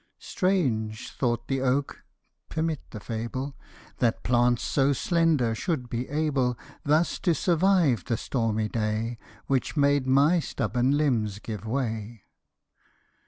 " Strange !" thought the oak, (permit the fable,) " That plants so slender should be able B 2 Thus to survive the stormy day, Which made my stubborn limbs give way."